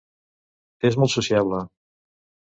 És molt sociable.